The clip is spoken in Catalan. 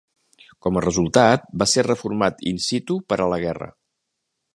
Com a resultat, va ser reformat "in situ" per a la guerra.